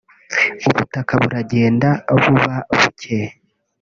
ubutaka buragenda buba buke